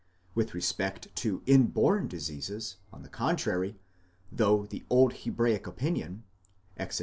With respect to inborn diseases, on the contrary, though the old Hebraic opinion (Exod.